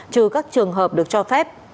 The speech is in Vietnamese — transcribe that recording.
trừ các trường hợp được cho phép